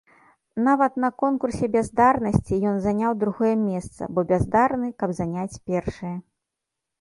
Нават на конкурсе бяздарнасці ён заняў другое месца, бо бяздарны, каб заняць першае.